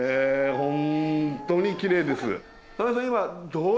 本当にきれいです。